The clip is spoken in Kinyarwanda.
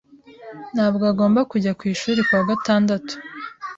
Ntabwo agomba kujya ku ishuri kuwa gatandatu.